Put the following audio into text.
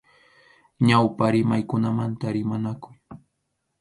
Ñawpa rimaykunamanta rimanakuy.